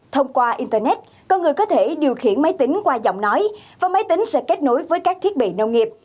thông qua internet con người có thể điều khiển máy tính qua giọng nói và máy tính sẽ kết nối với các thiết bị nông nghiệp